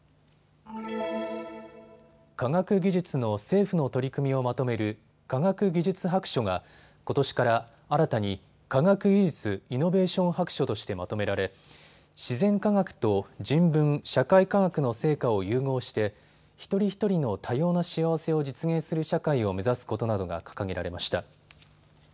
科学技術の政府の取り組みをまとめる科学技術白書がことしから新たに科学技術・イノベーション白書としてまとめられ自然科学と人文・社会科学の成果を融合して一人一人の多様な幸せを実現する社会を目指すことなどが掲げられました。